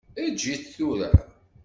Eg-it tura.